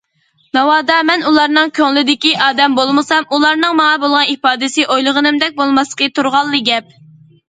ناۋادا مەن ئۇلارنىڭ كۆڭلىدىكى ئادەم بولمىسام، ئۇلارنىڭ ماڭا بولغان ئىپادىسى ئويلىغىنىمدەك بولماسلىقى تۇرغانلا گەپ.